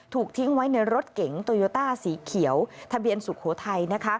ถูกทิ้งไว้ในรถเก๋งโตโยต้าสีเขียวทะเบียนสุโขทัย